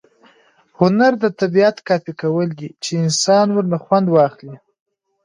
هنر د طبیعت کاپي کول دي، چي انسانان ورنه خوند واخلي.